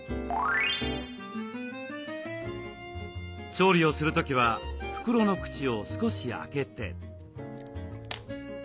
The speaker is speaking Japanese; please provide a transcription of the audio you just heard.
調理をする時は袋の口を少し開けて。